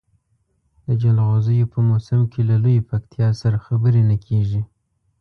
د جلغوزیو په موسم کې له لویې پکتیا سره خبرې نه کېږي.